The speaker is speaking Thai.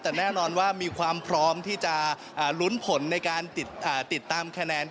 แต่แน่นอนว่ามีความพร้อมที่จะลุ้นผลในการติดตามคะแนน